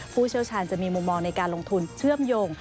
ผู้เชี่ยวชาญจะมีมุมมองในการลงทุนเชื่อมโยง